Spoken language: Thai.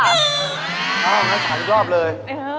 โอ้โฮเหมือนใครดอบเลย